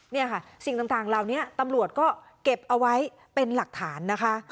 นี่ค่ะสิ่งต่างเหล่านี้ตำรวจก็เก็บเอาไว้เป็นหลักฐานนะคะ